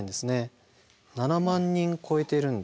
７万人超えているんですよね。